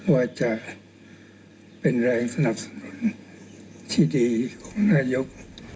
ว่าจะเป็นแรงสนับสนุนที่ดีของนายก